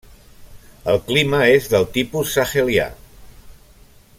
El clima és del tipus sahelià.